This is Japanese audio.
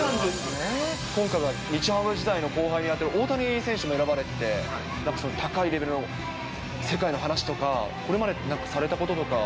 今回は日ハム時代の後輩に当たる大谷選手も選ばれて、高いレベルの世界の話とか、これまでなんかされたこととか。